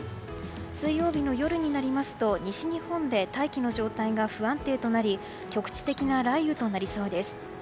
水曜日の夜になりますと西日本で大気の状態が不安定となり局地的な雷雨となりそうです。